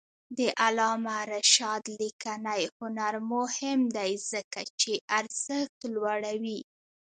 د علامه رشاد لیکنی هنر مهم دی ځکه چې ارزښت لوړوي.